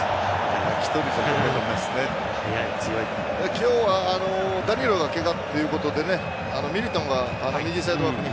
今日はダニーロがけがということでミリトンが右サイドバックに。